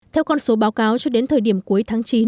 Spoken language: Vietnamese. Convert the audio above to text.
theo con số báo cáo cho đến thời điểm cuối tháng chín